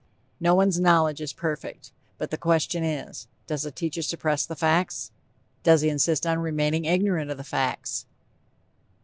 No one's knowledge is perfect. But the question is, does a teacher suppress the facts? Does he insist on remaining ignorant of the facts?